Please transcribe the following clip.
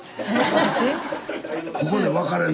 私？